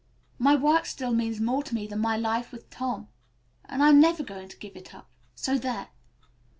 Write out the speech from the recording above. My work still means more to me than life with Tom, and I'm never going to give it up. So there."